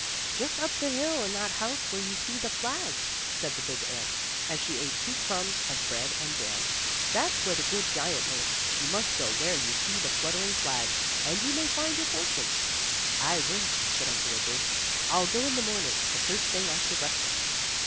"Just up the hill, in that house where you see the flag," said the big ant, as she ate two crumbs of bread and jam. "That's where the good giant lives. You must go where you see the fluttering flag, and you may find your fortune." "I will," said Uncle Wiggily, "I'll go in the morning, the first thing after breakfast."